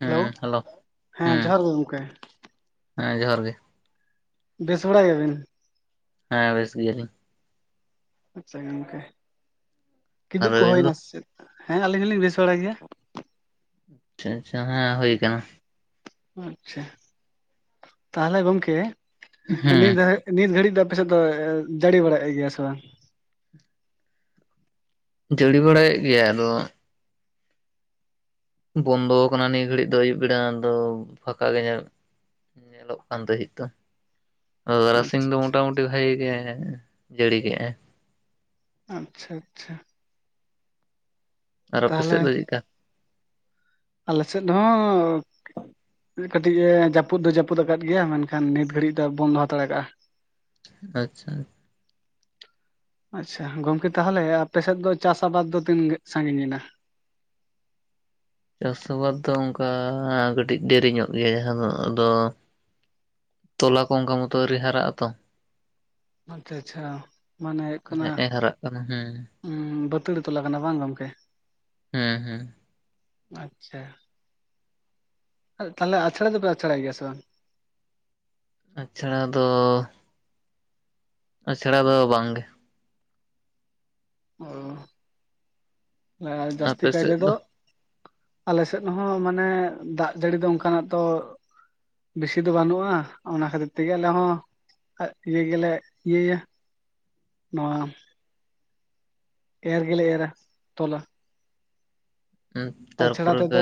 ᱦᱮᱸ, ᱦᱮᱞᱳ, ᱦᱮᱸ ᱡᱚᱦᱟᱨ ᱜᱮ ᱜᱚᱢᱠᱮ ᱦᱮᱸᱻ ᱡᱚᱦᱟᱨ ᱜᱮ ᱾ ᱵᱮᱥ ᱵᱟᱲᱟ ᱜᱮᱭᱟ ᱵᱤᱱ? ᱦᱮᱸᱻ ᱵᱮᱥ ᱜᱮᱭᱟ ᱞᱤᱧ ᱾ ᱟᱪᱪᱷᱟ ᱜᱚᱝᱠᱮ, ᱠᱤᱫᱩ ᱟᱨ ᱠᱚ ᱦᱩᱭ ᱟᱹᱵᱤᱱ ᱫᱚ ᱮᱱᱟ ᱥᱮ ᱪᱮᱫ? ᱦᱮᱸ᱾ ᱟᱹᱞᱤᱧ ᱦᱚᱞᱤᱧ ᱵᱮᱥ ᱵᱟᱲᱟ ᱜᱮᱭᱟ ᱾ ᱟᱪᱪᱷᱟ ᱟᱪᱪᱷᱟ, ᱦᱮᱸ, ᱦᱩᱭ ᱟᱠᱟᱱᱟ ᱾ ᱟᱪᱪᱷᱟ᱾ ᱛᱟᱦᱚᱞᱮ, ᱜᱚᱝᱠᱮ, ᱦᱮᱸ ᱱᱤᱫᱷ ᱱᱤᱛ ᱜᱷᱟᱹᱲᱤᱡ ᱫᱚ, ᱟᱯᱮ ᱥᱮᱫ ᱫᱚ, ᱡᱟᱹᱲᱤ ᱵᱟᱲᱟ ᱭᱮᱫ ᱜᱮᱭᱟ ᱥᱮ ᱵᱟᱝ? ᱡᱟᱹᱲᱤ ᱵᱟᱲᱟᱭᱮᱫ ᱜᱮᱭᱟᱭ, ᱟᱫᱚ ᱵᱚᱱᱫᱚ ᱟᱠᱟᱱᱟ, ᱱᱤᱭᱟᱹ ᱜᱷᱟᱹᱲᱤᱡ ᱫᱚ, ᱟᱹᱭᱩᱵ ᱵᱮᱲᱟ ᱫᱚ, ᱯᱷᱟᱠᱟ ᱜᱮ, ᱧᱮᱞᱚᱼᱟ ᱾ ᱧᱮᱞᱚᱜ ᱠᱟᱱ, ᱫᱟᱦᱤᱫ ᱫᱚ ᱛᱟᱨᱟᱥᱤᱧ ᱟᱪᱪᱷᱟ ᱫᱚ, ᱟᱪᱪᱷᱟ ᱢᱚᱴᱟ ᱢᱩᱴᱤ ᱵᱷᱟᱜᱤ ᱜᱮ, ᱡᱟᱹᱲᱤ ᱠᱮᱜᱼᱟ ᱾ ᱟᱪᱪᱷᱟ, ᱟᱪᱪᱷᱟ ᱾ ᱟᱨ ᱟᱯᱮ ᱛᱟᱦᱚᱞᱮ ᱥᱮᱫ ᱫᱚ, ᱪᱮᱫ ᱞᱮᱠᱟ? ᱟᱞᱮ ᱥᱮᱫ ᱦᱚᱸᱻ ᱾ ᱢᱤᱫ ᱠᱟᱹᱴᱤᱡ, ᱮ ᱡᱟᱹᱯᱩᱫ ᱫᱚ, ᱡᱟᱹᱯᱩᱫ ᱟᱠᱟᱫ ᱜᱮᱭᱟ ᱾ ᱢᱮᱱᱠᱷᱟᱱ ᱱᱤᱛ ᱜᱷᱟᱲᱤᱡ ᱫᱚ, ᱵᱚᱱᱫᱚ ᱦᱟᱛᱟᱸᱲ ᱟᱠᱟᱜᱼᱟ ᱾ ᱟᱪᱪᱷᱟ, ᱟᱡ ᱟᱪᱪᱷᱟ ᱜᱚᱝᱠᱮ, ᱛᱟᱦᱚᱞᱮ, ᱟᱯᱮᱥᱮᱫ ᱫᱚ, ᱪᱟᱥ ᱟᱵᱟᱫᱽ ᱫᱚ, ᱛᱤᱱ ᱥᱟᱸᱜᱤᱧ ᱮᱱᱟ ᱾ ᱪᱟᱥ ᱟᱵᱟᱫ ᱫᱚ, ᱚᱱᱠᱟ ᱠᱟᱹᱴᱤᱡ, ᱫᱮᱨᱤ ᱧᱚᱜ ᱜᱮᱭᱟ, ᱡᱟᱦᱟᱸ ᱫᱚ, ᱟᱫᱚ ᱛᱚᱞᱟ ᱠᱚ, ᱚᱱᱠᱟ ᱢᱚᱛᱚ, ᱟᱹᱣᱨᱤ ᱦᱟᱨᱟᱜ ᱟᱼ ᱛᱚ ᱾ ᱟᱪᱪᱷᱟ, ᱟᱪᱪᱷᱟ, ᱢᱟᱱᱮ ᱦᱩᱭᱩᱜ ᱠᱟᱱᱟ ᱾ ᱱᱮᱜᱼᱮ ᱦᱟᱨᱟᱜ ᱠᱟᱱᱟ ᱾ ᱦᱩᱸᱻ ᱾ ᱩᱸᱻ ᱵᱟᱹᱛᱟᱹᱲᱤ ᱛᱚᱞ ᱟᱠᱟᱱᱟ, ᱵᱟᱝ ᱜᱚᱝᱠᱮ ᱾ ᱦᱮᱸᱻ ᱦᱮᱸᱻ ᱾ ᱟᱪᱪᱷᱟ ᱾ ᱛᱟᱦᱚᱞᱮ, ᱟᱪᱷᱲᱟ ᱫᱚᱯᱮ, ᱟᱪᱷᱲᱟᱟᱭ ᱜᱮᱭᱟ ᱥᱮ ᱵᱟᱝ? ᱟᱪᱷᱲᱟ ᱫᱚᱻ ᱟᱪᱷᱲᱟ ᱫᱚ, ᱵᱟᱝ ᱜᱮ ᱾ ᱚᱻ, ᱟᱨ ᱡᱟᱹᱥᱛᱤ ᱟᱯᱮ ᱠᱟᱭ ᱥᱮᱫ ᱛᱮᱫᱚ ᱫᱚ ᱟᱞᱮᱥᱮᱫ ᱦᱚᱸ, ᱢᱟᱱᱮ, ᱫᱟᱜ ᱡᱟᱹᱲᱤ ᱫᱚ, ᱚᱝᱠᱟ ᱱᱟᱜ ᱛᱚ ᱵᱤᱥᱤ ᱫᱚ, ᱵᱟᱱᱩᱜᱼᱟ, ᱚᱱᱟ ᱠᱷᱟᱛᱤᱨ ᱛᱮᱜᱮ, ᱟᱞᱮ ᱦᱮᱸ ᱦᱚᱸ ᱟᱡ ᱤᱭᱟᱹ ᱜᱮᱞᱮ, ᱤᱭᱟᱹᱭᱟ, ᱱᱚᱣᱟ ᱮᱨ ᱜᱮᱞᱮ, ᱮᱨᱟ ᱛᱚᱞᱟ ᱾ ᱛᱟᱨ ᱟᱪᱷᱲᱟ ᱯᱚᱨᱮ ᱛᱮᱫᱚ ᱯᱮ,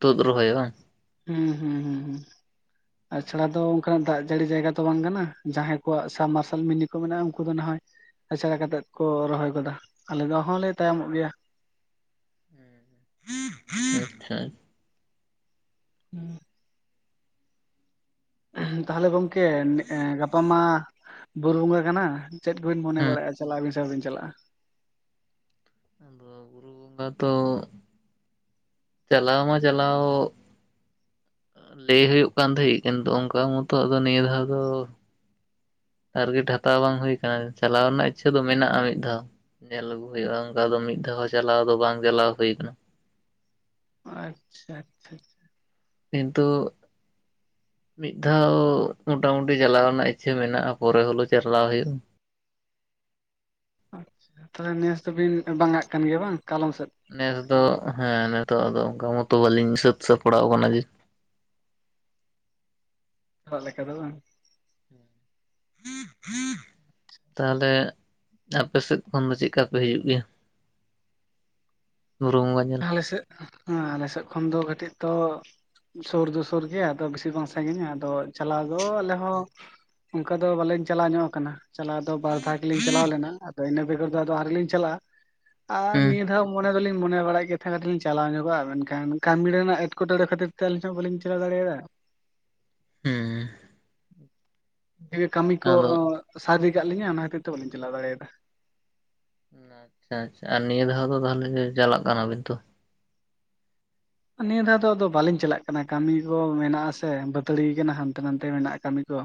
ᱛᱩᱫ ᱨᱚᱦᱚᱭᱟ ᱾ ᱵᱟᱝ? ᱦᱩᱸ ᱦᱩᱸ, ᱦᱩ, ᱸ ᱦᱩᱸ ᱾ ᱟᱪᱷᱲᱟ ᱫᱚ, ᱚᱱᱠᱟᱱ ᱫᱟᱜ ᱡᱟᱹᱲᱤ ᱡᱟᱭᱜᱟ ᱛᱚ, ᱵᱟᱝ ᱠᱟᱱᱟ ᱾ ᱡᱟᱸᱦᱟᱸᱭ ᱠᱚᱣᱟᱜ ᱥᱟᱢᱢᱟᱨᱥᱟᱞ ᱢᱤᱱᱤ ᱠᱚ, ᱢᱮᱱᱟᱜᱼᱟ, ᱩᱱᱠᱩ ᱫᱚ ᱱᱟᱜ ᱦᱚᱭ ᱟᱪᱷᱲᱟ ᱠᱟᱛᱮᱫ ᱠᱚ, ᱨᱚᱦᱚᱭ ᱜᱚᱫᱟ ᱾ ᱟᱞᱮ ᱫᱚ, ᱦᱚᱸᱞᱮ ᱛᱟᱭᱚᱢᱚᱜ ᱜᱮᱭᱟ ᱾ [unintelligible] ᱟᱪᱪᱷᱟ ᱟᱪᱷ [unintelligible] ᱦᱩ [inaudible] ᱸ [inaudible] ᱮᱦᱮᱢ ᱛᱟᱦᱞᱮ, ᱜᱚᱝᱠᱮ, ᱜᱟᱯᱟ ᱢᱟ, ᱵᱩᱨᱩ ᱵᱚᱸᱜᱟ ᱠᱟᱱᱟ ᱾ ᱪᱮᱫ ᱠᱚᱵᱤᱱ ᱢᱚᱱᱮ ᱦᱮᱸ ᱵᱟᱲᱟ ᱮᱭᱼᱟ, ᱪᱟᱞᱟᱜ ᱟᱵᱤᱱ ᱥᱮ, ᱵᱟᱵᱤᱱ ᱪᱟᱞᱟᱜᱼᱟ ᱾ ᱟᱫᱚ ᱜᱩᱨᱩ ᱛᱚ ᱪᱟᱞᱟᱣ ᱢᱟ ᱪᱟᱞᱟᱣᱜ ᱞᱟᱹᱭ ᱦᱩᱭᱩᱜ ᱠᱟᱱ ᱛᱟᱦᱮᱜ ᱠᱤᱱᱛᱩ ᱚᱝᱠᱟ ᱢᱚᱛᱚ ᱟᱫᱚ ᱱᱤᱭᱟᱹ ᱫᱷᱟᱣ ᱫᱚ ᱴᱟᱨᱜᱮᱹᱴ ᱦᱟᱛᱟᱣ ᱵᱟᱝ ᱦᱩᱭ ᱠᱟᱱᱟ᱾ ᱪᱟᱞᱟᱣ ᱨᱮᱱᱟᱜ ᱤᱪᱪᱷᱟᱹ ᱫᱚ ᱢᱮᱱᱟᱜᱼᱟ ᱢᱤᱫ ᱫᱷᱟᱣ᱾ ᱧᱮᱞ ᱟᱹᱜᱩ ᱦᱳᱭᱳᱜᱼᱟ ᱚᱝᱠᱟ ᱫᱚ ᱢᱤᱫ ᱫᱷᱟᱣ ᱦᱚᱸ ᱪᱟᱞᱟᱣ ᱫᱚ ᱵᱟᱝ ᱪᱟᱞᱟᱣ ᱦᱩᱭ ᱠᱟᱱᱟ᱾ ᱟᱪᱪᱷᱟ ᱟᱪᱪᱷᱟ᱾ ᱠᱤᱱᱛᱩ ᱢᱤᱫ ᱫᱷᱟᱣ ᱢᱚᱴᱟ ᱢᱩᱴᱤ ᱪᱟᱞᱟᱣ ᱨᱮᱱᱟᱜ ᱤᱪᱪᱷᱟᱹ ᱢᱮᱱᱟᱜᱼᱟ ᱯᱚᱨᱮ ᱦᱳᱞᱳ ᱪᱟᱞᱟᱣ ᱦᱳᱭᱩᱜᱼᱟ᱾ ᱟᱪᱪᱷᱟ ᱛᱟᱦᱞᱮ ᱱᱮᱥ ᱫᱚᱵᱤᱱ ᱵᱟᱝᱟᱜ ᱠᱟᱱ ᱜᱮᱭᱟ ᱵᱟᱝ ᱠᱟᱞᱚᱢ ᱥᱮᱫ᱾ ᱱᱮᱥ ᱫᱚ ᱦᱮᱸ ᱱᱤᱛᱚᱜ ᱟᱫᱚ ᱚᱝᱠᱟ ᱢᱚᱛᱚ ᱵᱟᱹᱞᱤᱧ ᱥᱟᱹᱛ ᱥᱟᱯᱲᱟᱣ ᱠᱟᱱᱟ ᱡᱮ ᱚᱲᱟᱜ ᱞᱮᱠᱟ ᱫᱚ ᱵᱟᱝ᱾ [inaudible] ᱛᱟᱦᱞᱮ ᱟᱯᱮ ᱥᱮᱫ ᱠᱷᱚᱱ ᱫᱚ ᱪᱮᱜᱠᱟ ᱯᱮ ᱦᱤᱡᱩᱜ ᱜᱮᱭᱟ? ᱵᱩᱨᱩ ᱵᱚᱸᱜᱟ ᱧᱮ ᱟᱞᱮᱥᱮᱫ ᱦᱮᱸ ᱟᱞᱮᱥᱮᱫ ᱠᱷᱚᱱ ᱫᱚ ᱠᱟᱹᱴᱤᱡ ᱛᱚ ᱥᱳᱨ ᱫᱚ ᱥᱳᱨ ᱜᱮ ᱟᱫᱚ ᱵᱤᱥᱤ ᱵᱟᱝ ᱥᱟᱸᱜᱤᱧᱟ ᱟᱫᱚ ᱪᱟᱞᱟᱣ ᱫᱚ ᱟᱞᱮ ᱦᱚᱸ ᱚᱱᱠᱟ ᱫᱚ ᱵᱟᱞᱤᱧ ᱪᱟᱞᱟᱣ ᱧᱚᱜ ᱟᱠᱟᱱᱟ᱾ ᱪᱟᱞᱟᱣ ᱫᱚ ᱵᱟᱨ ᱫᱷᱟᱣ ᱜᱤᱞᱤᱧ ᱪᱟᱞᱟᱣ ᱞᱮᱱᱟ, ᱟᱫᱚ ᱤᱱᱟᱹ ᱵᱮᱜᱚᱨ ᱫᱚ ᱟᱫᱚ ᱟᱣᱨᱤᱞᱤᱧ ᱪᱟᱞᱟᱜᱼᱟ ᱟᱨ ᱦᱩᱸ ᱱᱤᱭᱟᱹ ᱫᱷᱟᱣ ᱢᱚ ᱱᱮ ᱫᱚᱞᱤᱧ ᱢᱚᱱᱮ ᱵᱟᱲᱟᱭᱮᱫ ᱡᱮᱛᱷᱟ ᱠᱟᱴᱤᱞᱤᱧ ᱪᱟᱞᱟᱣ ᱧᱚᱜᱚᱜᱼᱟ᱾ ᱢᱮᱱᱠᱷᱟᱱ ᱠᱟᱢᱤ ᱨᱮᱱᱟᱜ ᱮᱴᱠᱮᱴᱚᱬᱮ ᱠᱷᱟᱹᱛᱤᱨ ᱛᱮ ᱟᱹᱞᱤᱧ ᱦᱚᱸ ᱵᱟᱹᱞᱤᱧ ᱪᱟᱞᱟᱣ ᱫᱟᱲᱮᱭᱟᱫᱟ᱾ ᱦᱩᱸ᱾ ᱡᱮ ᱠᱟᱢᱤ ᱠᱚ ᱟᱫᱚ ᱥᱟᱨᱤ ᱠᱟᱜ ᱞᱤᱧᱟ ᱚᱱᱟ ᱠᱷᱟᱛᱤᱨ ᱛᱮ ᱵᱟᱞᱤᱧ ᱪᱟᱞᱟᱣ ᱫᱟᱲᱮᱭᱟᱫᱟ᱾ ᱟᱪᱪᱷᱟ ᱟᱪᱪᱷᱟ ᱟᱨ ᱱᱤᱭᱟᱹ ᱫᱷᱟᱣ ᱫᱚ ᱛᱟᱦᱞᱮ ᱜᱮ ᱪᱟᱞᱟᱜ ᱠᱟᱱᱟ ᱵᱤᱱ ᱛᱚ᱾ ᱱᱤᱭᱟᱹ ᱫᱷᱟᱣ ᱫᱚ ᱟᱫᱚ ᱵᱟᱞᱤᱧ ᱪᱟᱞᱟᱜ ᱠᱟᱱᱟ ᱠᱟᱢᱤ ᱠᱚ ᱢᱮᱱᱟᱜ-ᱟᱥᱮ ᱵᱟᱹᱛᱟᱹᱲᱤᱭ ᱠᱟᱱᱟ ᱦᱟᱱᱛᱮ ᱱᱟᱱᱛᱮ ᱢᱮᱱᱟᱜᱼᱟ ᱠᱟᱢᱤ ᱠᱚ᱾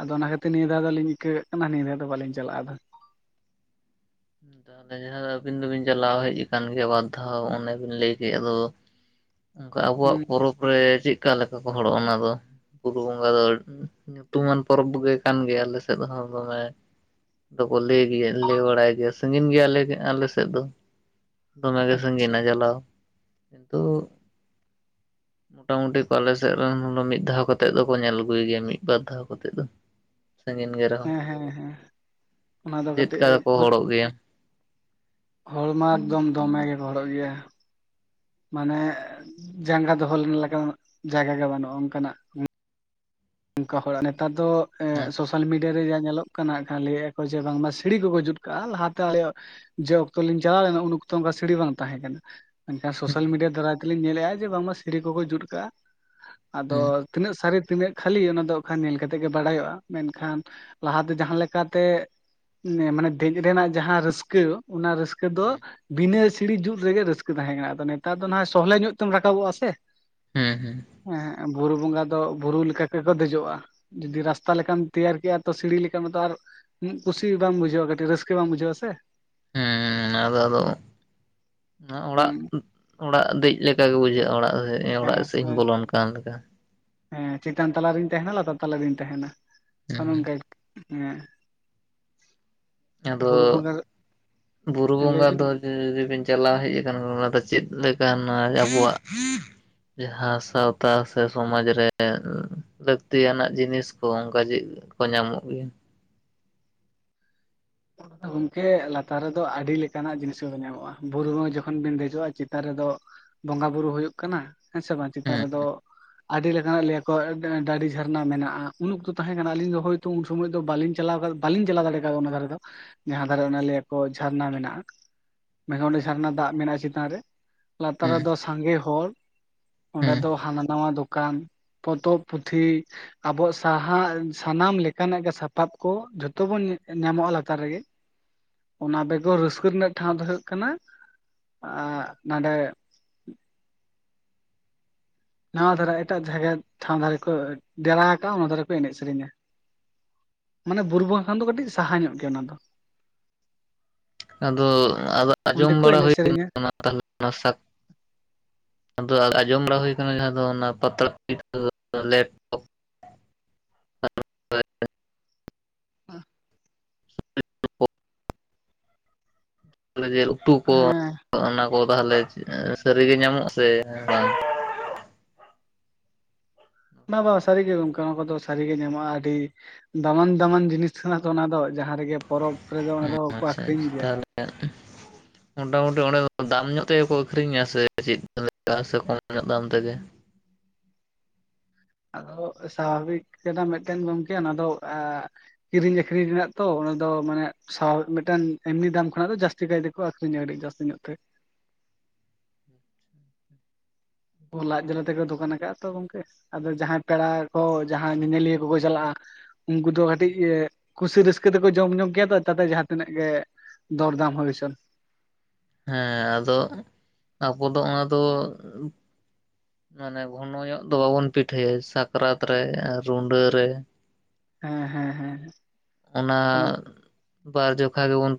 ᱟᱫᱚ ᱚᱱᱟ ᱠᱷᱟᱛᱤᱨ ᱱᱤᱭᱟᱹ ᱫᱷᱟᱣ ᱫᱚᱞᱤᱧ ᱤᱠᱟᱹ ᱠᱟᱜ ᱠᱟᱱᱟ ᱱᱤᱭᱟᱹ ᱫᱷᱟᱣ ᱫᱚ ᱵᱟᱞᱤᱧ ᱪᱟᱞᱟᱜᱼᱟ ᱟᱫᱚ᱾ ᱛᱟᱦᱚᱞᱮ ᱡᱟᱦᱟᱸ ᱟᱹᱵᱤᱱ ᱫᱚᱵᱤᱱ ᱪᱟᱞᱟᱣ ᱦᱮᱡ ᱟᱠᱟᱱ ᱜᱮᱭᱟ ᱵᱟᱨ ᱫᱷᱟᱣ ᱚᱱᱮ ᱵᱤᱱ ᱞᱟᱹᱭ ᱠᱮᱜ ᱟᱫᱚ [inaudible] ᱚᱝᱠᱟ ᱦᱩᱸ ᱟᱵᱚᱣᱟᱜ ᱯᱚᱨᱚᱵᱽ ᱨᱮ ᱪᱮᱜᱠᱟ ᱞᱮᱠᱟ ᱠᱚ ᱦᱚᱲᱚᱜᱼᱟ ᱚᱱᱟ ᱫᱚ? ᱵᱩᱨᱩ ᱵᱚᱸᱜᱟ ᱫᱚ ᱧᱩᱛᱩᱢᱟᱱ ᱯᱚᱨᱚᱵᱽ ᱜᱮ ᱠᱟᱱ ᱜᱮᱭᱟ ᱟᱞᱮ ᱥᱮᱫ ᱦᱚᱸ ᱫᱚᱢᱮ ᱫᱚᱠᱚ ᱞᱟᱹᱭ ᱜᱮᱭᱟ, ᱞᱟᱹᱭ ᱵᱟᱲᱟᱭ ᱜᱮᱭᱟ᱾ ᱥᱟᱺᱜᱤᱱ ᱜᱮᱭᱟ ᱟᱞᱮ ᱜᱮ ᱟᱞᱮ ᱥᱮᱫ ᱫᱚ᱾ ᱫᱚᱢᱮ ᱜᱮ ᱟᱪᱪᱷᱟ ᱥᱟᱺᱜᱤᱱᱟ ᱪᱟᱞᱟᱣ᱾ ᱠᱤᱱᱛᱩ [inaudible] ᱢᱚᱴᱟ ᱢᱩᱴᱤ ᱠᱚ ᱟᱞᱮ ᱞᱥᱮᱜ ᱨᱮᱱ ᱦᱳᱞᱳ ᱢᱤᱫ ᱫᱷᱟᱣ ᱠᱟᱛᱮᱜ ᱫᱚᱠᱚ ᱧᱮᱞ ᱟᱹᱜᱩᱭ ᱜᱮᱭᱟ ᱢᱤᱫ ᱵᱟᱨ ᱫᱷᱟᱣ ᱠᱚᱛᱮᱜ ᱫᱚ᱾ ᱥᱟᱺᱜᱤᱱ ᱜᱮ ᱨᱮᱦᱚᱸ᱾ ᱦᱮᱸ ᱦᱮᱸ ᱦᱮᱸ ᱚᱱᱟ ᱫᱚ ᱠᱟᱹᱴᱤᱡ ᱪᱮᱫᱠᱟ ᱫᱚᱠᱚ ᱦᱚᱲᱚᱜ ᱜᱮᱭᱟ? ᱦᱚᱲᱢᱟ ᱮᱠᱫᱚᱢ ᱫᱚᱢᱮ ᱜᱮᱠᱚ ᱦᱚᱲᱚᱜ ᱜᱮᱭᱟ᱾ ᱢᱟᱱᱮ ᱡᱟᱸᱜᱟ ᱫᱚᱦᱚ ᱞᱮᱱᱟ ᱞᱮᱠᱟᱱᱟᱜ ᱡᱟᱭᱜᱟ ᱜᱮ ᱵᱟᱱᱩᱜᱼᱟ ᱚᱱᱠᱟᱱᱟᱜ᱾ ᱚᱱᱠᱟ ᱦᱚᱲᱟᱜ ᱱᱮᱛᱟᱨ ᱫᱚ ᱮᱸ ᱟᱪᱪᱷᱟ ᱥᱳᱥᱟᱞ ᱢᱤᱰᱤᱭᱟ ᱨᱮ ᱡᱟ ᱧᱮᱞᱚᱜ ᱠᱟ ᱱᱟᱜ ᱠᱷᱟᱱ ᱞᱟᱹᱭᱮ-ᱟ ᱠᱚ ᱡᱮ ᱵᱟᱝᱢᱟ ᱥᱤᱲᱤ ᱠᱚᱠᱚ ᱡᱩᱫᱽ ᱠᱟᱜᱼᱟ᱾ ᱞᱟᱦᱟᱛᱮ ᱟᱞᱭᱟᱜ ᱡᱮ ᱚᱠᱛᱚ ᱞᱤᱧ ᱪᱟᱞᱟᱣ ᱞᱮᱱᱟ ᱩᱱ ᱚᱠᱛᱚ ᱚᱱᱠᱟ ᱥᱤᱲᱤ ᱵᱟᱝ ᱛᱟᱦᱮᱸ ᱠᱟᱱᱟ᱾ ᱢᱮᱱᱠᱷᱟᱱ ᱥᱳᱥᱟᱞ ᱦᱩᱸ ᱢᱤᱰᱤᱭᱟ ᱫᱟᱨᱟᱭ ᱛᱮᱞᱤᱧ ᱧᱮᱞᱮᱫᱼᱟ ᱡᱮ ᱵᱟᱝᱢᱟ ᱥᱤᱲᱤ ᱠᱚᱠᱚ ᱡᱩᱛ ᱟᱠᱟᱼᱟ᱾ ᱟᱫᱚ ᱦᱩᱸ ᱛᱤᱱᱟᱹᱜ ᱥᱟᱹᱨᱤ ᱛᱤᱱᱟᱹᱜ ᱠᱷᱟᱹᱞᱤ ᱚᱱᱟ ᱫᱚ ᱟᱠᱷᱟᱱ ᱧᱮᱞ ᱠᱟᱛᱮᱜ ᱜᱮ ᱵᱟᱰᱟᱭᱚᱜᱼᱟ᱾ ᱢᱮᱱᱠᱷᱟᱱ ᱞᱟᱦᱟ ᱫᱟ ᱡᱟᱦᱟᱸ ᱞᱮᱠᱟᱛᱮ ᱱᱮ ᱢᱟᱱᱮ ᱫᱮᱡ ᱨᱮᱱᱟᱜ ᱡᱟᱦᱟᱸ ᱨᱟᱹᱥᱠᱟᱹ ᱚᱱᱟ ᱨᱟᱹᱥᱠᱟᱹ ᱫᱚ ᱵᱤᱱᱟᱹ ᱥᱤᱲᱤ ᱡᱩᱫᱽ ᱨᱮᱜᱮ ᱨᱟᱹᱥᱠᱟᱹ ᱛᱟᱦᱮᱸ ᱠᱟᱱᱟ᱾ ᱟᱫᱚ ᱱᱮᱛᱟᱨ ᱫᱚ ᱱᱷᱟᱭ ᱥᱚᱦᱞᱮ ᱧᱚᱜ ᱛᱮᱢ ᱨᱟᱠᱟᱵᱚᱜᱼᱟ ᱥᱮ᱾ ᱦᱮᱸ ᱦᱮᱸ ᱮᱸᱜ ᱵᱩᱨᱩ ᱵᱚᱸᱜᱟ ᱫᱚ ᱵᱩᱨᱩ ᱞᱮᱠᱟ ᱛᱮᱠᱚ ᱫᱮᱡᱚᱜᱼᱟ ᱡᱩᱫᱤ ᱨᱟᱥᱛᱟ ᱞᱮᱠᱟᱢ ᱛᱮᱭᱟᱨ ᱠᱮᱭᱟ ᱛᱚ ᱥᱤᱲᱤ ᱞᱮᱠᱟᱱᱟᱜ ᱛᱚ ᱟᱨ ᱠᱩᱥᱤ ᱵᱟᱝ ᱵᱩᱡᱷᱟᱹᱣᱟ ᱠᱟᱹᱴᱤᱡ ᱨᱟᱹᱥᱠᱟᱹ ᱵᱟᱝ ᱵᱩᱡᱷᱟᱹᱣᱟ ᱥᱮ ᱦᱮᱸ ᱟᱨᱚ ᱟᱨᱚ ᱱᱚᱣᱟ ᱚᱲᱟᱜ ᱦᱩᱸ ᱚᱲᱟᱜ ᱫᱮᱡ ᱞᱮᱠᱟ ᱜᱮ ᱵᱩᱡᱷᱟᱹᱜᱼᱟ ᱚᱲᱟᱜ ᱥᱮᱫ ᱦᱮᱸ ᱚᱲᱟᱜ ᱥᱮᱫ ᱤᱧ ᱵᱚᱞᱚᱱ ᱠᱟᱱ ᱞᱮᱠᱟ। ᱦᱮᱸ ᱪᱮᱛᱟᱱ ᱛᱟᱞᱟ ᱨᱤᱧ ᱛᱟᱦᱮᱱᱟ ᱞᱟᱛᱟᱨ ᱛᱟᱞᱟ ᱨᱤᱧ ᱛᱟᱦᱮᱱᱟ ᱦᱩᱸ ᱚᱱᱮ ᱚᱱᱠᱟ ᱦᱮᱸ। ᱟᱫᱚ ᱵᱩᱨᱩ ᱵᱚᱸᱜᱟ ᱵᱩᱨᱩ ᱞᱟᱹᱭ ᱵᱚᱸᱜᱟ ᱵᱤᱱ ᱫᱚ ᱩᱸᱻ ᱡᱩᱫᱤᱵᱤᱱ ᱪᱟᱞᱟᱣ ᱦᱮᱡ ᱟᱠᱟᱱ ᱚᱱᱟᱫᱚ ᱪᱮᱫ ᱞᱮᱠᱟ ᱱᱚᱣᱟ ᱟᱵᱚᱣᱟᱜ ᱡᱟᱦᱟᱸ ᱥᱟᱶᱛᱟ ᱥᱮ ᱥᱚᱢᱟᱡ ᱨᱮ ᱞᱟᱹᱠᱛᱤᱭᱟᱱᱟᱜ ᱡᱤᱱᱤᱥ ᱠᱚ ᱚᱱᱠᱟ ᱪᱮᱫ ᱠᱚ ᱧᱟᱢᱚᱜ ᱜᱮᱭᱟ? ᱜᱚᱝᱠᱮ ᱞᱟᱛᱟᱨ ᱨᱮᱫᱚ ᱟᱹᱰᱤ ᱞᱮᱠᱟᱱᱟᱜ ᱡᱤᱱᱤᱥ ᱠᱚ ᱧᱟᱢᱚᱜᱼᱟ ᱵᱩᱨᱩ ᱨᱮ ᱡᱚᱠᱷᱚᱱ ᱵᱤᱱ ᱫᱮᱡᱚᱜᱼᱟ ᱪᱮᱛᱟᱱ ᱨᱮᱫᱚ ᱵᱚᱸᱜᱟ ᱵᱩᱨᱩ ᱦᱩᱭᱩᱜ ᱠᱟᱱᱟ ᱦᱮᱸ ᱥᱮ ᱵᱟᱝ ᱪᱮᱛᱟᱱ ᱦᱮᱸ ᱨᱮᱫᱚ ᱦᱮᱸ ᱟᱹᱰᱤ ᱞᱮᱠᱟᱱᱟᱜ ᱞᱟᱹᱭᱟᱠᱚ ᱰᱟᱹᱰᱤ ᱡᱷᱟᱨᱱᱟ ᱢᱮᱱᱟᱜᱼᱟ ᱩᱱ ᱩᱠᱛᱚ ᱛᱟᱦᱮᱸ ᱠᱟᱱᱟ ᱟᱹᱞᱤᱧ ᱫᱚ ᱦᱚᱭ ᱛᱚ ᱩᱱ ᱥᱚᱢᱚᱭ ᱫᱚ ᱵᱟᱹᱞᱤᱧ ᱪᱟᱞᱟᱣ ᱠᱟᱛᱮ ᱵᱟᱞᱤᱧ ᱪᱟᱞᱟᱣ ᱫᱟᱲᱮ ᱠᱟᱣᱫᱟ ᱚᱱᱟ ᱫᱷᱟᱨᱮ ᱫᱚ। ᱡᱟᱦᱟᱸ ᱫᱷᱟᱨᱮ ᱚᱱᱟ ᱦᱮᱸ ᱞᱟᱹᱭᱟᱠᱚ ᱡᱷᱟᱨᱱᱟ ᱢᱮᱱᱟᱜᱼᱟ ᱢᱮᱱᱠᱷᱟᱱ ᱚᱸᱰᱮ ᱟᱪᱪᱷᱟ ᱡᱷᱟᱨᱱᱟ ᱫᱟᱜ ᱢᱮᱱᱟᱜᱼᱟ ᱪᱮᱛᱟᱱ ᱨᱮ ᱞᱟᱛᱟᱨ ᱦᱮᱸ ᱨᱮᱫᱚ ᱥᱟᱸᱜᱮ ᱦᱚᱲ ᱚᱸᱰᱮ ᱦᱮᱸ ᱫᱚ ᱦᱟᱱᱟ ᱱᱟᱣᱟ ᱫᱚᱠᱟᱱ ᱯᱚᱛᱚᱵ ᱦᱮᱸ ᱯᱩᱛᱷᱤ ᱟᱵᱚᱣᱟᱜ ᱥᱟᱦᱟ ᱥᱟᱱᱟᱢ ᱞᱮᱠᱟᱱᱟᱜ ᱜᱮ ᱥᱟᱯᱟᱵ ᱠᱚ ᱡᱷᱚᱛᱚᱵᱚᱱ ᱧᱟᱢᱚᱜᱼᱟ ᱞᱟ ᱨᱮᱜᱮ ᱚᱱᱟ ᱵᱮᱜᱚᱨ ᱨᱟᱹᱥᱠᱟᱹ ᱨᱮᱱᱟᱜ ᱴᱷᱟᱶ ᱦᱮᱸ ᱫᱚ ᱦᱳᱭᱳᱜ ᱠᱟᱱᱟ ᱟᱸᱜ ᱱᱟᱰᱮ ᱱᱟᱣᱟ ᱫᱷᱟᱨᱮ ᱮᱴᱟᱜ ᱡᱟᱭᱜᱟ ᱴᱷᱟᱣ ᱫᱷᱟᱨᱮ ᱠᱚ ᱰᱮᱨᱟ ᱟᱠᱟᱫᱼᱟ ᱚᱱᱟ ᱫᱷᱟᱨᱮ ᱠᱚ ᱮᱱᱮᱡ ᱥᱮᱨᱮᱧᱟ ᱢᱟᱱᱮ ᱵᱩᱨᱩ ᱵᱟᱸᱜᱟ ᱠᱷᱚᱱ ᱫᱚ ᱠᱟᱹᱴᱤᱡ ᱥᱟᱦᱟ ᱧᱚᱜ ᱜᱮᱭᱟ ᱚᱱᱟ ᱫᱚ ᱟᱫᱚ ᱟᱫᱚ ᱚᱸᱰᱮ ᱟᱸᱡᱚᱢ ᱠᱚ ᱵᱟᱲᱟ ᱮᱱᱮᱡ ᱥᱮᱨᱮᱧᱟ [inaudible] ᱛᱟᱦᱞᱮ ᱚᱱᱟ ᱥᱟᱠ ᱟᱫᱚ ᱟᱸᱡᱚᱢ ᱵᱟᱲᱟ ᱦᱳᱭ ᱟᱠᱟᱱᱟ ᱡᱟᱦᱟᱸ ᱫᱚ ᱚᱱᱟ ᱯᱟᱛᱟ [unintelligible] ᱞᱮᱴ ᱠᱚ ᱡᱮᱞ ᱩᱛᱩ ᱠᱚ ᱦᱮᱸ ᱚᱱᱟ ᱠᱚ ᱛᱟᱞᱦᱮ ᱥᱟᱹᱨᱤᱜᱮ ᱧᱟᱢᱚᱜ ᱥᱮ ᱵᱟᱝᱼᱵᱟᱝ ᱥᱟᱹᱨᱤᱜᱮ ᱜᱚᱝᱠᱮ ᱚᱱᱟ ᱠᱚᱫᱚ ᱥᱟᱹᱨᱤᱜ ᱜᱮ ᱧᱟᱢᱚᱜᱼᱟ ᱟᱹᱰᱤ ᱫᱟᱢᱟᱱ ᱫᱟᱢᱟᱱ ᱡᱤᱱᱤᱥ ᱠᱟᱱᱟ ᱛᱚ ᱚᱱᱟ ᱫᱚ ᱡᱟᱦᱟᱸ ᱨᱮᱜᱮ ᱯᱚᱨᱚᱵᱽ ᱨᱮᱫᱚ ᱚᱱᱟ ᱫᱚᱠᱚ ᱟᱠᱷᱨᱤᱧ ᱜᱮᱭᱟ। ᱮᱸᱜ ᱢᱚᱴᱟᱢᱩᱴᱤ ᱚᱸᱰᱮ ᱫᱟᱢ ᱧᱚᱜ ᱛᱮᱜᱮ ᱠᱚ ᱟᱹᱷᱨᱤᱧᱟ ᱥᱮ ᱪᱮᱫ ᱞᱮᱠᱟ ᱥᱮ ᱠᱚᱢ ᱧᱚᱜ ᱫᱟᱢ ᱛᱮᱜᱮ? ᱟᱫᱚ ᱥᱟᱵᱷᱟᱵᱤᱠ ᱠᱟᱱᱟ ᱢᱤᱫᱴᱮᱱ ᱜᱚᱝᱠᱮ ᱚᱱᱟ ᱫᱚ ᱮᱸ ᱠᱤᱨᱤᱧ ᱟᱠᱷᱨᱤᱧ ᱨᱮᱱᱟᱜ ᱛᱚ ᱚᱱᱟ ᱫᱚ ᱢᱟᱱᱮ ᱥᱟᱵᱷᱟᱵᱤᱠ ᱢᱤᱫᱴᱟᱝ ᱮᱢᱱᱤ ᱫᱟᱢ ᱠᱷᱚᱱᱟᱜ ᱫᱚ ᱡᱟᱹᱥᱛᱤ ᱪᱤᱠᱟᱹᱭ ᱛᱮᱠᱚ ᱟᱠᱷᱨᱤᱧᱟ ᱟᱹᱰᱤ ᱡᱟᱹᱥᱛᱤ ᱧᱚᱜ ᱛᱮ [inaudible] ᱞᱟᱡ ᱡᱟᱞᱟ ᱛᱮᱠᱚ ᱫᱚᱠᱟᱱ ᱟᱠᱟᱫᱼᱟ ᱛᱚ ᱜᱚᱝᱠᱮ ᱟᱫᱚ ᱡᱟᱦᱟᱸᱭ ᱯᱮᱲᱟ ᱠᱚ ᱡᱟᱦᱟᱸᱭ ᱧᱮᱧᱮᱞᱤᱭᱟᱹ ᱠᱚᱠᱚ ᱪᱟᱞᱟᱜᱼᱟ ᱩᱱᱠᱩ ᱫᱚ ᱠᱟᱹᱴᱤᱡ ᱠᱩᱥᱤ ᱨᱟᱹᱥᱠᱟᱹ ᱛᱮᱠᱚ ᱡᱚᱢ ᱧᱩᱭ ᱜᱮᱭᱟ ᱛᱟᱛᱮ ᱡᱟᱦᱟᱸ ᱛᱤᱱᱟᱹᱜ ᱜᱮ ᱫᱚᱨᱫᱟᱢ ᱦᱳᱭ ᱦᱚᱪᱚᱱ ᱦᱮᱸ ᱟᱫᱚ ᱟᱵᱚ ᱫᱚ ᱚᱱᱟ ᱫᱚ ᱢᱟᱱᱮ ᱜᱷᱚᱱᱚ ᱧᱚᱜ ᱫᱚ ᱵᱟᱵᱚᱱ ᱯᱤᱴᱷᱟᱹᱭᱟ ᱥᱟᱠᱨᱟᱛ ᱨᱮ ᱨᱩᱸᱰᱟᱹ ᱨᱮ ᱦᱮᱸ ᱦᱮᱸ ᱦᱮᱸ ᱚᱱᱟ ᱵᱟᱨ ᱡᱚᱠᱷᱟ ᱜᱮᱵᱚᱱ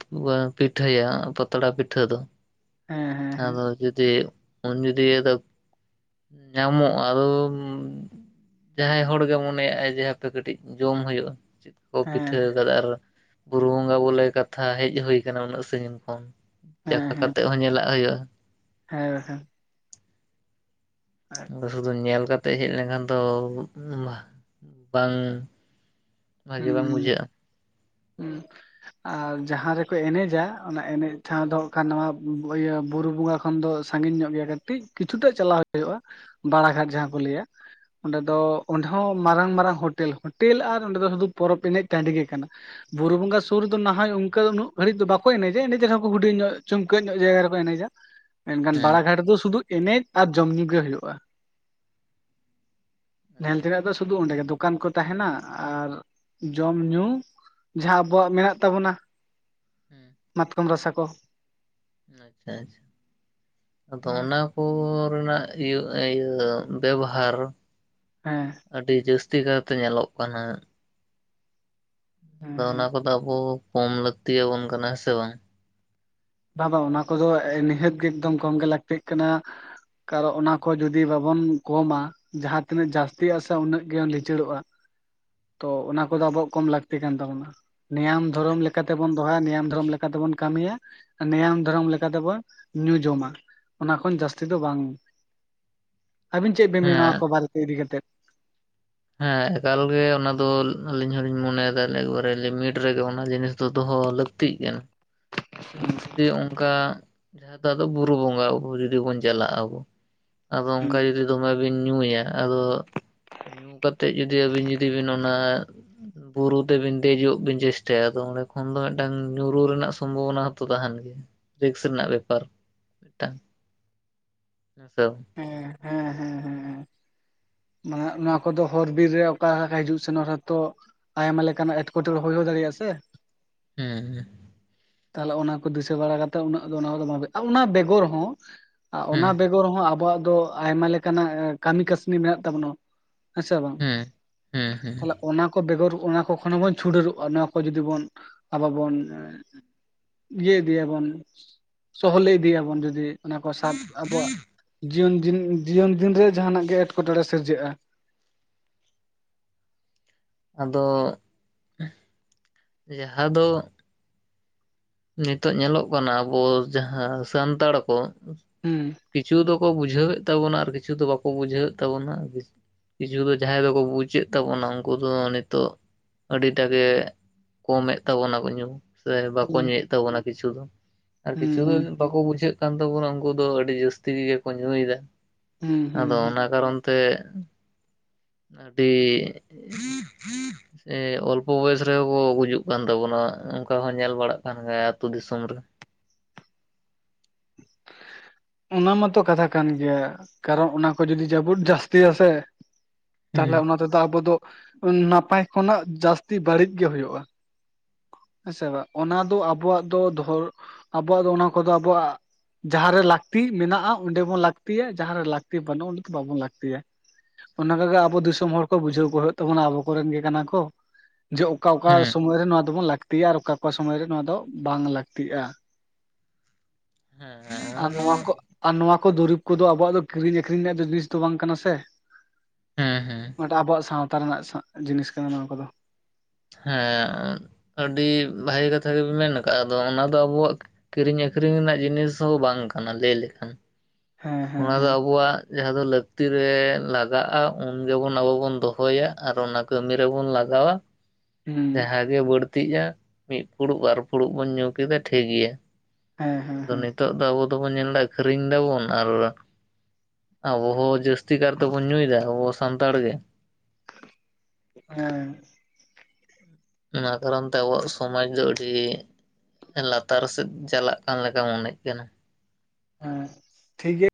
ᱯᱤᱴᱷᱟᱹᱭᱟ ᱯᱟᱛᱲᱟ ᱯᱤᱴᱷᱟᱹ ᱫᱚ। ᱦᱮᱸ ᱦᱮᱸ ᱦᱮᱸ ᱟᱫᱚ ᱡᱩᱫᱤ ᱩᱱ ᱡᱩᱫᱤ ᱧᱟᱢᱚᱜ-ᱟ ᱟᱫᱚᱢ ᱡᱟᱦᱟᱸᱭ ᱦᱚᱲ ᱜᱮ ᱢᱚᱱᱮᱭᱟᱜ ᱟᱭ ᱡᱮ ᱦᱟᱯᱮ ᱠᱟᱹᱴᱤᱡ ᱡᱚᱢ ᱦᱩᱭᱩᱜᱼᱟ ᱪᱮᱫ ᱠᱚ ᱦᱮᱸ ᱯᱤᱴᱷᱟᱹᱣ ᱠᱟᱫᱟ ᱟᱨ ᱵᱩᱨᱩ ᱵᱚᱸᱜᱟ ᱵᱚᱞᱮ ᱠᱟᱛᱷᱟ ᱦᱮᱡ ᱦᱩᱭ ᱟᱠᱟᱱᱟ ᱩᱱᱟᱹᱜ ᱥᱟᱹᱜᱤᱧ ᱠᱷᱚᱱ᱾ ᱦᱮᱸ ᱪᱟᱠᱷᱟ ᱦᱮᱸ ᱠᱟᱛᱮᱜ ᱦᱚᱸ ᱧᱮᱞᱟᱜ ᱦᱳᱭᱳᱜᱼᱟ᱾ ᱦᱮᱸ ᱵᱟᱠᱷᱟᱱ᱾ ᱟᱫᱚ ᱥᱩᱫᱷᱩ ᱧᱮᱞ ᱠᱟᱛᱮᱜ ᱦᱮᱡ ᱞᱮᱱᱠᱷᱟᱱ ᱫᱚ ᱩᱢ ᱵᱟᱝᱼᱼ ᱵᱷᱟᱜᱮ ᱵᱟᱝ ᱵᱩᱡᱷᱟᱹᱜ-ᱟ᱾ ᱩᱸᱢ ᱟᱨ ᱡᱟᱦᱟᱸ ᱨᱮᱠᱚ ᱮᱱᱮᱡᱟ ᱚᱱᱟ ᱮᱱᱮᱡ ᱴᱷᱟᱶ ᱫᱚ ᱠᱷᱟᱱᱼᱼ ᱵᱚᱭᱦᱟ ᱵᱩᱨᱩ ᱵᱚᱸᱜᱟ ᱠᱷᱚᱱ ᱫᱚ ᱥᱟᱹᱜᱤᱧ ᱧᱚᱜ ᱜᱮᱭᱟ ᱠᱟᱹᱴᱤᱡ ᱠᱤᱪᱷᱩᱴᱟᱜ ᱪᱟᱞᱟᱣ ᱦᱳᱭᱳᱜᱼᱟ᱾ ᱵᱟᱲᱟ ᱜᱷᱟᱴ ᱡᱟᱦᱟᱸ ᱠᱚ ᱞᱟᱹᱭᱟ᱾ ᱚᱸᱰᱮ ᱫᱚ ᱦᱮᱸ ᱚᱸᱰᱮ ᱦᱚᱸ ᱢᱟᱨᱟᱝ ᱢᱟᱨᱟᱝ ᱦᱳᱴᱮᱞ ᱦᱳᱴᱮᱞ ᱟᱨ ᱚᱸᱰᱮ ᱫᱚ ᱥᱩᱫᱩ ᱯᱚᱨᱚᱵᱽ ᱮᱱᱮᱡ ᱴᱟᱺᱰᱤ ᱜᱮ ᱠᱟᱱᱟ᱾ ᱵᱩᱨᱩ ᱵᱚᱸᱜᱟ ᱥᱩᱨ ᱨᱮᱫᱚ ᱱᱟᱦᱟᱜ ᱚᱱᱠᱟ ᱫᱚ ᱵᱩᱨᱩ ᱵᱚᱸᱜᱟ ᱥᱩᱨ ᱫᱚ ᱱᱟ ᱦᱚᱭ ᱚᱱᱠᱟ ᱩᱱᱟᱹᱜ ᱜᱷᱟᱹᱲᱤᱡ ᱫᱚ ᱵᱟᱠᱚ ᱮᱱᱮᱡᱟ ᱮᱱᱮᱡ ᱨᱮᱦᱚᱸ ᱦᱩᱰᱤᱧ ᱧᱚᱜ ᱪᱩᱢᱠᱟᱹᱜ ᱧᱚᱜ ᱡᱟᱭᱜᱟ ᱨᱮᱠᱚ ᱮᱱᱮᱡᱟ᱾ ᱢᱮᱱᱠᱷᱟᱱ ᱦᱮᱸ ᱵᱟᱲᱟ ᱜᱷᱟᱴ ᱨᱮᱫᱚ ᱥᱩᱫᱩ ᱮᱱᱮᱡ ᱟᱨ ᱡᱚᱢᱼ ᱧᱩ ᱜᱮ ᱦᱩᱭᱩᱜ-ᱟ᱾ ᱧᱮᱞ ᱦᱮᱸ ᱛᱮᱱᱟᱜ ᱫᱚ ᱟᱪᱪᱷᱟ ᱥᱩᱫᱷᱩ ᱚᱸᱰᱮᱜᱮ ᱫᱚᱠᱟᱱ ᱠᱚ ᱛᱟᱦᱮᱱᱟ ᱟᱨ ᱡᱚᱢ ᱧᱩᱼᱼ ᱡᱟᱦᱟᱸ ᱟᱵᱚᱣᱟᱜ ᱢᱮᱱᱟᱜ ᱛᱟᱵᱚᱱᱟ ᱦᱮᱸ ᱢᱟᱛᱠᱚᱢ ᱨᱟᱥᱟ ᱠᱚ᱾ ᱟᱪᱪᱷᱟ ᱟᱪᱪᱷᱟ ᱟᱫᱚ ᱚᱱᱟᱼᱼ ᱠᱚ ᱨᱮᱱᱟᱜ ᱤᱭᱟᱹ ᱤᱭᱟᱹ ᱵᱮᱵᱦᱟᱨᱼᱼ ᱦᱮᱸ ᱟᱹᱰᱤ ᱡᱟᱹᱥᱛᱤ ᱠᱟᱭᱛᱮ ᱧᱮᱞᱚᱜ ᱠᱟᱱᱟ᱾ ᱦᱮᱸ ᱟᱫᱚ ᱚᱱᱟ ᱦᱮᱸ ᱠᱚᱫᱚ ᱟᱵᱚ ᱠᱚᱢ ᱞᱟᱹᱠᱛᱤᱭᱟᱵᱚᱱ ᱠᱟᱱᱟ ᱥᱮ ᱵᱟᱝ? ᱵᱟᱝ ᱵᱟᱝ ᱚᱱᱟ ᱠᱚᱫᱚ ᱮ ᱱᱤᱦᱟᱹᱛ ᱜᱮ ᱮᱠᱫᱚᱢ ᱠᱚᱢ ᱜᱮ ᱞᱟᱹᱠᱛᱤᱜ ᱠᱟᱱᱟ᱾ ᱠᱟᱨᱚᱱ ᱚᱱᱟ ᱠᱚ ᱡᱚᱫᱤ ᱵᱟᱵᱚᱱ ᱠᱚᱢᱟᱼᱼ ᱡᱟᱦᱟᱸᱛᱤᱱᱟᱹᱜ ᱡᱟᱹᱥᱛᱤᱜ- ᱟ ᱥᱮ ᱩᱱᱟᱹᱜ ᱜᱮ ᱞᱤᱪᱟᱹᱲᱚᱜᱼᱟ᱾ ᱛᱚ ᱚᱱᱟ ᱠᱚᱫᱚ ᱟᱵᱚᱣᱟᱜ ᱠᱚᱢ ᱞᱟᱹᱠᱛᱤ ᱠᱟᱱ ᱛᱟᱵᱚᱱᱟ᱾ ᱱᱮᱭᱚᱢ ᱫᱷᱚᱨᱚᱢ ᱞᱮᱠᱟᱛᱮᱵᱚᱱ ᱫᱚᱦᱚᱭᱟ ᱱᱮᱭᱚᱢ ᱫᱷᱚᱨᱚᱢ ᱞᱮᱠᱟᱛᱮᱵᱚᱱ ᱠᱟᱹᱢᱤᱭᱟ᱾ ᱱᱮᱭᱟᱢ ᱫᱷᱚᱨᱚᱢ ᱞᱮᱠᱟ ᱞᱮᱠᱟᱛᱮᱵᱚᱱ ᱧᱩ ᱡᱚᱢᱟ ᱚᱱᱟ ᱠᱷᱚᱱ ᱡᱟᱹᱥᱛᱤ ᱫᱚ ᱵᱟᱝ᱾ ᱟᱹᱵᱤᱱ ᱪᱮᱫ ᱵᱤᱱ ᱢᱮᱱᱟ ᱦᱮᱸ ᱟᱠᱚ ᱵᱟᱨᱮᱛᱮ ᱤᱫᱤ ᱠᱟᱛᱮᱫ᱾ ᱦᱮᱸ ᱮᱠᱟᱞᱜᱮ ᱚᱱᱟ ᱫᱚ ᱟᱞᱤᱧ ᱦᱚᱞᱤᱧ ᱢᱚᱱᱮᱭᱮᱫᱟ ᱮᱠᱵᱟᱨᱮ ᱞᱤᱢᱤᱴ ᱨᱮᱜᱮ ᱚᱱᱟ ᱡᱤᱱᱤᱥ ᱫᱚ ᱫᱚᱦᱚ ᱞᱟᱹᱠᱛᱤᱼᱼ ᱛᱤᱜ ᱠᱟᱱᱟ᱾ ᱟᱫᱚ ᱡᱩᱫᱤ ᱚᱱᱠᱟ ᱡᱟᱦᱟᱸ ᱫᱚ ᱟᱫᱚ ᱵᱩᱨᱩ ᱵᱚᱸᱜᱟ ᱟᱵᱚ ᱡᱩᱫᱤ ᱵᱚᱱ ᱪᱟᱞᱟᱜᱼᱟ ᱟᱵᱚ᱾ ᱟᱫᱚ ᱦᱩᱸ ᱚᱱᱠᱟ ᱡᱚᱫᱤ ᱫᱚᱢᱮ ᱵᱤᱱ ᱧᱩᱭᱟ ᱟᱫᱚᱼᱼ ᱧᱩ ᱠᱟᱛᱮᱫ ᱡᱩᱫᱤ ᱟᱹᱵᱤᱱ ᱡᱩᱫᱤ ᱵᱤᱱ ᱚᱱᱟ᱾ ᱵᱩᱨᱩ ᱛᱮᱵᱤᱱ ᱫᱮᱡᱚᱜ ᱵᱤᱱ ᱪᱮᱥᱴᱟᱭᱟ ᱟᱫᱚ ᱚᱸᱰᱮ ᱠᱷᱚᱱ ᱫᱚ ᱢᱤᱫᱴᱟᱝ ᱧᱩᱨᱩ ᱨᱮᱱᱟᱜ ᱥᱚᱢᱚᱼᱼ ᱵᱷᱚᱱᱟ ᱦᱚᱸᱛᱚ ᱛᱟᱦᱮᱱ ᱜᱮᱭᱟ ᱨᱤᱠᱥ ᱨᱮᱱᱟᱜ ᱵᱮᱯᱟᱨ ᱢᱤᱫᱴᱟᱝ᱾ ᱦᱮ ᱥᱮ [inaudible] ᱦᱩᱸ ᱦᱩᱸ ᱦᱩᱸ ᱦᱩᱸ ᱦᱩᱸ ᱢᱟᱱᱮ ᱱᱚᱣᱟ ᱠᱚᱫᱚ ᱦᱚᱨ ᱵᱤᱨ ᱨᱮ ᱚᱠᱟ ᱞᱮᱠᱟ ᱦᱤᱡᱩᱜ ᱥᱮᱱᱚᱜ ᱨᱮ ᱦᱚ ᱛᱚᱼᱼ ᱟᱭᱢᱟ ᱞᱮᱠᱟᱱᱟᱜ ᱮᱴᱠᱮᱴᱚᱬᱮ ᱦᱩᱭ ᱦᱚ ᱫᱟᱲᱮ-ᱟ ᱥᱮᱼᱼ ᱦᱩᱸ ᱦᱩᱸ ᱛᱟᱦᱚᱞᱮ ᱚᱱᱟ ᱠᱚ ᱫᱤᱥᱟᱹ ᱵᱟᱲᱟ ᱠᱟᱛᱮᱫ ᱩᱱᱟᱹᱜ ᱫᱚ ᱚᱱᱟ ᱵᱟᱝ ᱚᱱᱟ ᱵᱮᱜᱚᱨ ᱦᱚᱸ᱾ ᱟᱜ ᱚᱱᱟ ᱦᱩᱸ ᱵᱮᱜᱚᱨ ᱦᱚᱸ ᱟᱵᱚᱣᱟᱜ ᱫᱚ ᱟᱭᱢᱟ ᱞᱮᱠᱟᱱᱟᱜ ᱠᱟᱹᱢᱤ ᱠᱟᱹᱥᱱᱤ ᱢᱮᱱᱟᱜ ᱛᱟᱵᱚᱱᱟ᱾ ᱦᱮ ᱥᱮ ᱵᱟᱝ ᱦᱩᱸ ᱦᱩᱸ ᱦᱩᱸ ᱛᱟᱦᱞᱮᱼᱼ ᱚᱱᱟ ᱠᱚ ᱵᱮᱜᱚᱨ ᱚᱱᱟ ᱠᱚ ᱵᱚᱱ ᱪᱷᱩᱰᱟᱹᱨᱚᱜᱼᱟ ᱱᱚᱣᱟ ᱠᱚ ᱡᱩᱫᱤ ᱵᱚᱱ ᱟᱵᱚ ᱵᱚᱱᱼᱼ ᱤᱭᱟᱹ ᱤᱫᱤᱭᱟᱵᱚᱱ ᱥᱚᱦᱚᱞᱮ ᱤᱫᱤᱭᱟᱵᱚᱱ ᱡᱩᱫᱤ ᱚᱱᱟ ᱠᱚ ᱥᱟᱵ ᱟᱵᱚᱣᱟᱜᱼᱼ ᱡᱤᱭᱚᱱ ᱡᱤᱱ ᱡᱤᱭᱚᱱ ᱡᱤᱱ ᱨᱮ ᱡᱟᱦᱟᱱᱟᱜ ᱜᱮ ᱮᱴᱠᱮᱴᱚᱬᱮ ᱥᱤᱨᱡᱟᱹᱜᱼᱟ᱾ ᱟᱫᱚ ᱡᱟᱦᱟᱸ ᱫᱚ᱾ ᱱᱤᱛᱚᱜ ᱧᱮᱞᱚᱜ ᱠᱟᱱᱟ ᱟᱵᱚ ᱡᱟᱦᱟᱸ ᱥᱟᱱᱛᱟᱲ ᱠᱚ, ᱩᱦᱸᱸ ᱦᱩᱸ ᱠᱤᱪᱷᱩ ᱫᱚᱠᱚ ᱵᱩᱡᱷᱟᱹᱣᱮᱫ ᱛᱟᱵᱚᱱᱟ ᱟᱨ ᱠᱤᱪᱷᱩ ᱫᱚ ᱵᱟᱠᱚ ᱵᱩᱡᱷᱟᱹᱣᱮᱫ ᱛᱟᱵᱚᱱᱟ, ᱠᱤᱪᱷᱩ ᱫᱚ ᱡᱟᱦᱟᱸᱭ ᱫᱚᱠᱚ ᱵᱩᱡᱮᱫ ᱛᱟᱵᱚᱱᱟ ᱩᱱᱠᱩ ᱫᱚ ᱱᱤᱛᱚᱜ, ᱟᱹᱰᱤᱴᱟᱜ ᱜᱮ ᱠᱚᱢᱮᱫ ᱛᱟᱵᱚᱱᱟ ᱠᱚ ᱧᱩ ᱥᱮ, ᱠᱚ ᱦᱩᱸ ᱧᱩᱭᱮᱫ ᱛᱟᱵᱚᱱᱟ ᱠᱤᱪᱷᱩ ᱫᱚ ᱟᱨ ᱦᱩᱸ ᱠᱤᱪᱷᱩ ᱫᱚ ᱦᱩᱸ ᱵᱟᱠᱚ ᱵᱩᱡᱷᱟᱹᱜ, ᱛᱟᱵᱚᱱᱟ ᱩᱱᱠᱩ ᱫᱚ ᱟᱹᱰᱤ ᱡᱟᱹᱥᱛᱤ ᱠᱚᱜᱮ ᱠᱚ ᱧᱩᱭ ᱫᱟ ᱦᱩᱸ ᱦᱩᱸ ᱟᱫᱚ ᱦᱩᱸ ᱚᱱᱟ ᱠᱟᱨᱚᱱ, ᱛᱮ ᱟᱹᱰᱤ, ᱥᱮ ᱚᱞᱯᱚ ᱵᱚᱭᱮᱥ ᱨᱮᱦᱚᱸ ᱠᱚ ᱜᱩᱡᱩᱜ ᱠᱟᱱ ᱛᱟᱵᱚᱱᱟ ᱚᱱᱠᱟ ᱦᱚᱸ ᱧᱮᱞ ᱵᱟᱲᱟᱜ, ᱠᱟᱱ ᱜᱟᱭᱟ ᱟᱹᱛᱩ ᱫᱤᱥᱚᱢ ᱨᱮ᱾ [inaudible] ᱚᱱᱟ ᱢᱟᱛᱚ ᱠᱟᱛᱷᱟ ᱠᱟᱱ ᱜᱮᱭᱟ ᱠᱟᱨᱚᱱ ᱚᱱᱟ ᱠᱚ ᱡᱩᱫᱤ ᱡᱟᱹᱯᱩᱫ ᱡᱟᱹᱥᱛᱤᱭᱟ ᱥᱮ, ᱦᱩᱸ ᱛᱟᱦᱚᱞᱮ ᱚᱱᱟ ᱛᱮᱫᱚ ᱟᱵᱚ ᱫᱚ ᱱᱟᱯᱟᱭ ᱠᱷᱚᱱᱟᱜ ᱡᱟᱹᱥᱛᱤ ᱵᱟᱹᱲᱤᱜ ᱜᱮ ᱦᱩᱭᱩᱜᱼᱟ᱾ ᱦᱮᱸᱥᱮ ᱵᱟᱝ ᱚᱱᱟ ᱫᱚ ᱟᱵᱚᱣᱟᱜ ᱫᱚ ᱫᱷᱚᱨ ᱟᱵᱚᱣᱟᱜ ᱫᱚ ᱚᱱᱟ ᱠᱚᱫᱚ ᱟᱵᱚᱣᱟᱜ, ᱡᱟᱦᱟᱸᱨᱮ ᱞᱟᱹᱠᱛᱤ ᱢᱮᱱᱟᱜᱼᱟ ᱚᱸᱰᱮ ᱵᱚᱱ ᱞᱟᱹᱠᱛᱤᱭᱟ᱾ ᱡᱟᱦᱟᱸᱨᱮ ᱞᱟᱹᱠᱛᱤ ᱵᱟᱹᱱᱩᱜᱼᱟ ᱚᱸᱰᱮ ᱫᱚ ᱵᱟᱵᱚᱱ ᱞᱟᱹᱠᱛᱤᱭᱟ᱾ ᱚᱱᱠᱟᱜᱮ ᱟᱵᱚ ᱫᱤᱥᱚᱢ ᱦᱚᱲ ᱠᱚ ᱵᱩᱡᱷᱟᱹᱣ ᱠᱚ ᱦᱩᱭᱩᱜ ᱛᱟᱵᱚᱱᱟ ᱟᱵᱚ ᱠᱚᱨᱮᱱ ᱜᱮ ᱠᱟᱱᱟ ᱠᱚ᱾ ᱡᱮ ᱚᱠᱟ ᱚᱠᱟ ᱦᱩᱸ ᱥᱚᱢᱚᱭᱨᱮ ᱱᱚᱣᱟ, ᱵᱚᱱ ᱞᱟᱹᱠᱛᱤᱜᱼᱟ ᱟᱨ ᱚᱠᱟ ᱚᱠᱟ ᱥᱚᱢᱚᱭ ᱨᱮ ᱱᱚᱣᱟ ᱫᱚ ᱵᱟᱝ ᱞᱟᱹᱠᱛᱤᱜᱼᱟ᱾ ᱦᱮᱸ ᱚᱱᱟ ᱟᱨ ᱫᱚ ᱱᱚᱣᱟ ᱠᱚ ᱟᱨ ᱱᱚᱣᱟ ᱠᱚ ᱫᱩᱨᱤᱵᱽ ᱠᱚᱫᱚ ᱟᱵᱚᱣᱟᱜ ᱠᱤᱨᱤᱧ ᱟᱠᱠᱷᱨᱤᱧ ᱨᱮᱭᱟᱜ ᱫᱚ ᱡᱤᱱᱤᱥ ᱫᱚ ᱵᱟᱝ ᱠᱟᱱᱟ ᱥᱮ, ᱦᱮᱸ ᱦᱮᱸ ᱱᱚᱣᱟᱴᱟᱜ ᱟᱵᱚᱣᱟᱜ ᱥᱟᱶᱛᱟ ᱨᱮᱱᱟᱜ ᱡᱤᱱᱤᱥ ᱠᱟᱱᱟ ᱱᱚᱣᱟ ᱠᱚᱫᱚ᱾ ᱦᱮᱸ ᱟᱹᱰᱤ ᱵᱷᱟᱜᱤ ᱠᱟᱛᱷᱟ ᱜᱮᱵᱤᱱ ᱢᱮᱱ ᱠᱟᱜ ᱼᱟ ᱟᱫᱚ ᱚᱱᱟᱫᱚ ᱟᱵᱚᱣᱟᱜ᱾ ᱠᱤᱨᱤᱧ ᱟᱠᱷᱨᱤᱧ ᱨᱮᱱᱟᱜ ᱡᱤᱱᱤᱥ ᱦᱚᱸ ᱵᱟᱝ ᱠᱟᱱᱟ ᱞᱟᱹᱭ ᱞᱮᱠᱷᱟᱱ ᱦᱮᱸ ᱦᱮᱸ ᱚᱱᱟ ᱫᱚ ᱦᱮᱸ ᱟᱵᱚᱣᱟᱜ, ᱡᱟᱦᱟᱸ ᱫᱚ ᱞᱟᱹᱠᱛᱤ ᱨᱮ ᱞᱟᱜᱟᱜᱼᱟ ᱩᱱ ᱜᱮᱵᱚᱱ ᱟᱵᱚ ᱵᱚᱱ ᱫᱚᱦᱚᱭᱟ ᱟᱨ ᱚᱱᱟ ᱠᱟᱹᱢᱤ ᱨᱮᱵᱚᱱ ᱞᱟᱜᱟᱣᱟ᱾ ᱦᱩᱸ ᱡᱟᱦᱟᱸᱜᱮ ᱵᱟᱹᱲᱛᱤᱜᱼᱟ ᱢᱤᱫ ᱯᱷᱩᱲᱩᱜ ᱵᱟᱨ ᱯᱷᱩᱲᱩᱜ ᱵᱚᱱ ᱧᱩ ᱠᱮᱫᱟ ᱴᱷᱤᱠ ᱜᱮᱭᱟ᱾ ᱦᱮᱸ ᱦᱮᱸ ᱟᱫᱚ ᱦᱮᱸ ᱱᱤᱛᱚᱜ ᱫᱚ ᱟᱵᱚ ᱫᱚᱵᱚᱱ ᱧᱮᱞᱫᱟ ᱟᱹᱠᱷᱨᱤᱧ ᱫᱟᱵᱚᱱ ᱟᱨ, ᱟᱵᱚ ᱦᱚᱸ ᱡᱟᱹᱥᱛᱤ ᱠᱟᱨ ᱛᱮᱵᱚᱱ ᱧᱩᱭᱫᱟ ᱟᱵᱚ ᱥᱟᱱᱛᱟᱲ ᱜᱮ᱾ ᱦᱮ᱾ ᱚᱱᱟ ᱠᱟᱨᱚᱱ ᱛᱮ ᱟᱵᱚᱣᱟᱜ ᱥᱚᱢᱟᱡᱽ ᱫᱚ ᱟᱹᱰᱤ, ᱞᱟᱛᱟᱨ ᱥᱮᱫ ᱪᱟᱞᱟᱜ ᱠᱟᱱ ᱞᱮᱠᱟ ᱢᱚᱱᱮᱜ ᱠᱟᱱᱟ᱾ ᱦᱮᱸ ᱴᱷᱤᱠ ᱜᱮᱭᱟ,